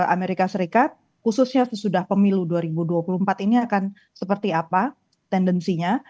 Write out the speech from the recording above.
tinggal kita lihat aja politik as khususnya sesudah pemilu dua ribu dua puluh empat ini akan seperti apa tendensinya